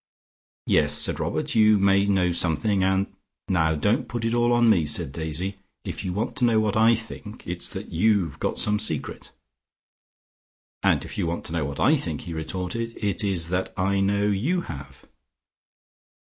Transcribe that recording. "Yes," said Robert, "you may know something, and " "Now don't put it all on me," said Daisy. "If you want to know what I think, it is that you've got some secret." "And if you want to know what I think," he retorted, "it is that I know you have."